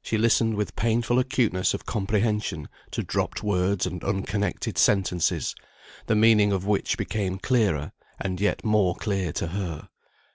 She listened with painful acuteness of comprehension to dropped words and unconnected sentences, the meaning of which became clearer, and yet more clear to her.